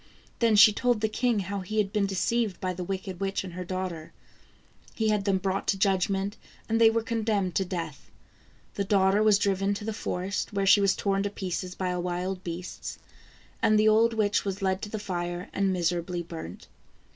Then she told the king how he had been deceived by the wicked witch and her daughter. He had them brought to judgment and they were condemned to death. The daughter was driven to the forest where she was torn to pieces by wild beasts, and the old witch was led to the fire and miserably burnt.